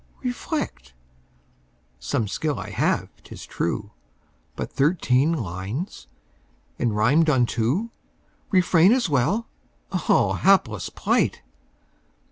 Reflect. Some skill I have, 'tis true; But thirteen lines! and rimed on two! "Refrain" as well. Ah, Hapless plight!